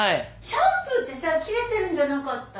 シャンプーってさ切れてるんじゃなかった？